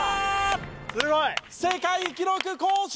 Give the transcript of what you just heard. すごい！世界記録更新！